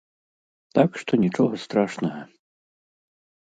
Так што нічога страшнага!